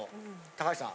高橋さん。